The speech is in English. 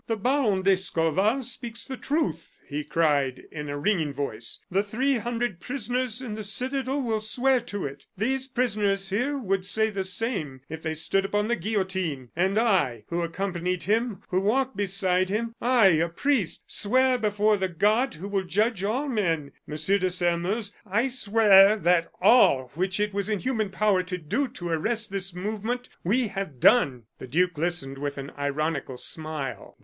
"The Baron d'Escorval speaks the truth," he cried, in a ringing voice; "the three hundred prisoners in the citadel will swear to it; these prisoners here would say the same if they stood upon the guillotine; and I, who accompanied him, who walked beside him, I, a priest, swear before the God who will judge all men, Monsieur de Sairmeuse, I swear that all which it was in human power to do to arrest this movement we have done!" The duke listened with an ironical smile.